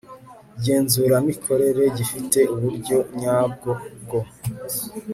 ngenzuramikorere gifite uburyo nyabwo bwo